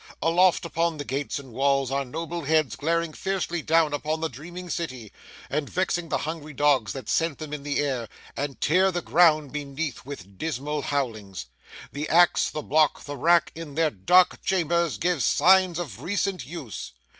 Aloft upon the gates and walls are noble heads glaring fiercely down upon the dreaming city, and vexing the hungry dogs that scent them in the air, and tear the ground beneath with dismal howlings. The axe, the block, the rack, in their dark chambers give signs of recent use.